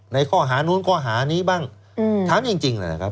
ในข้อหานู้นข้อหานี้บ้างอืมถามจริงจริงเลยนะครับ